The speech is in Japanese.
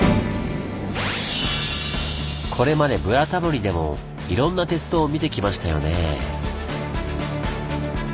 これまで「ブラタモリ」でもいろんな鉄道を見てきましたよねぇ。